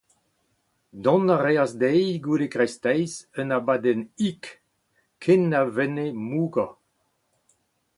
Dont a reas dezhi goude kreisteiz un abadenn hik ken na venne mougañ.